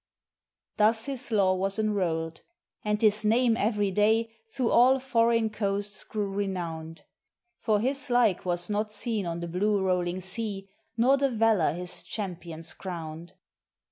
Thus his law was enrolled, and his name, every day, through all foreign coasts grew renowned; For his like was not seen on the blue rolling sea, nor the valor his champions crowned.